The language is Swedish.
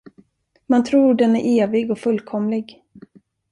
Man tror den är evig och fullkomlig.